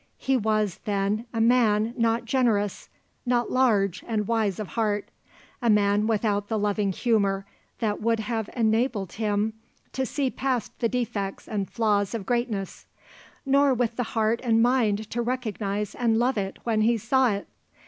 He was, then, a man not generous, not large and wise of heart, a man without the loving humour that would have enabled him to see past the defects and flaws of greatness, nor with the heart and mind to recognize and love it when he saw it.